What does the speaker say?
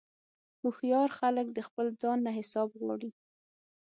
هوښیار خلک د خپل ځان نه حساب غواړي.